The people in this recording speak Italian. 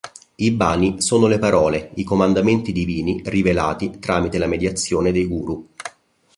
I bani sono le parole, i comandamenti divini rivelati tramite la mediazione dei guru.